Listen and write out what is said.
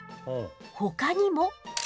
ほかにも。